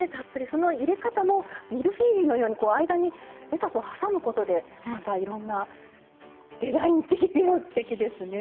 その入れ方もミルフィーユのようにこう間にレタスをはさむことでまたいろんなデザイン的にもすてきですね。